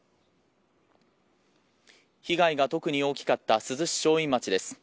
被害が特に大きかった珠洲市正院町です。